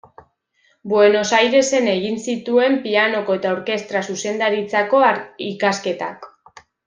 Buenos Airesen egin zituen pianoko eta orkestra-zuzendaritzako ikasketak.